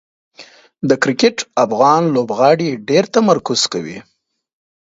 د کرکټ افغان لوبغاړي ډېر تمرکز کوي.